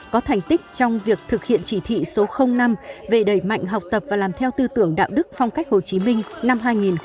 có thành tích trong việc thực hiện chỉ thị số năm về đẩy mạnh học tập và làm theo tư tưởng đạo đức phong cách hồ chí minh năm hai nghìn một mươi tám